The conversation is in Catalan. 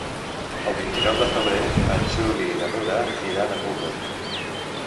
El vint-i-nou de febrer en Juli i na Nura iran a Búger.